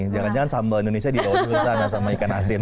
jangan jangan sambal indonesia dibawa ke sana sama ikan asin